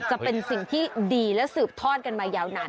จะเป็นสิ่งที่ดีและสืบทอดกันมายาวนาน